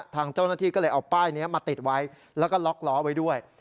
ทางเจ้าหน้าที่ก็เลยเอาป้ายนี้มาติดไว้แล้วก็ล็อกล้อไว้ด้วย